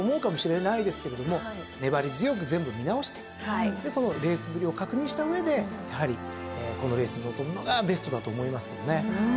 粘り強く全部見直してそのレースぶりを確認した上でやはりこのレースに臨むのがベストだと思いますけどね。